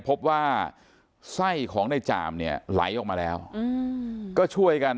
พบว่าไส้ของในจ่ามเนี่ยไหลออกมาแล้วก็ช่วยกัน